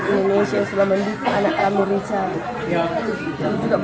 terima kasih atas dukungan anda